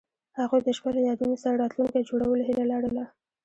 هغوی د شپه له یادونو سره راتلونکی جوړولو هیله لرله.